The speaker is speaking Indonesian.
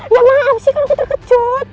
ya maaf sih kan aku terkejut